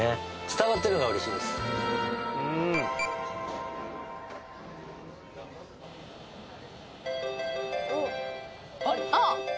伝わってるのがうれしいですあっあっ